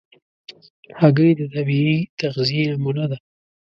هګۍ د طبیعي تغذیې نمونه ده.